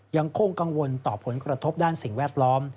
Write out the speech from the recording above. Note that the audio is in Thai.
ยังคงกังวลต่อผลกระทบด้านสิ่งแวดล้อม